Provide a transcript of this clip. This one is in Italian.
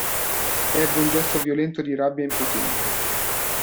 Ebbe un gesto violento di rabbia impotente.